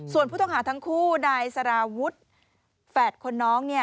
ส่วนผู้ต้องหาทั้งคู่นายสารวุฒิแฝดคนน้อง